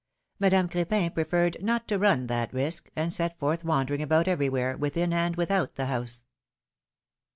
Madame Cr^pin preferred not to run that risk, and set forth wandering about everywhere, within and without the house.